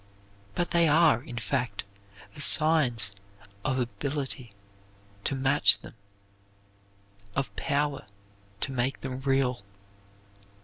But they are, in fact, the signs of ability to match them, of power to make them real.